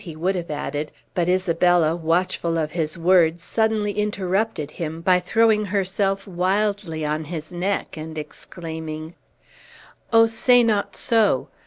he would have added; but Isabella, watchful of his words, suddenly interrupted him, by throwing herself wildly on his neck, and exclaiming: "Oh, say not so!